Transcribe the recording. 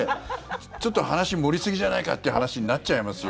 ちょっと話盛りすぎじゃないかっていう話になっちゃいますよ。